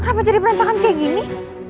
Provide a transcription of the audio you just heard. wah kenapa jadi berantakan kayak gini